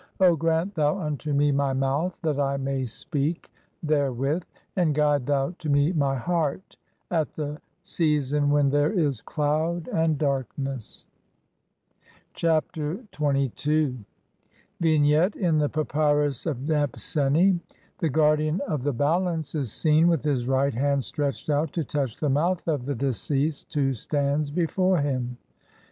O grant thou unto me my mouth that I may speak "therewith ; and guide thou to me my heart at the season when "there is (4) cloud and darkness." Chapter XXII. [From the Papyrus of Ani (Brit. Mus. No. 10,470, sheet 6).] Vignette: In the Papyrus of Nebscni (sheet 5), the "Guardian of the Balance'' is seen with his right hand stretched out to touch the mouth of the deceased who stands before him.